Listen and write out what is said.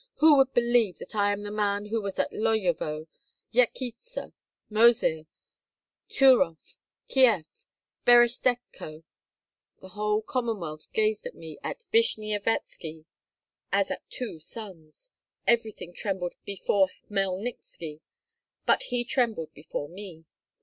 Who would believe that I am the man who was at Loyovo, Jechytsa, Mozyr, Turoff, Kieff, Berestechko? The whole Commonwealth gazed at me and Vishnyevetski, as at two suns. Everything trembled before Hmelnitski, but he trembled before me.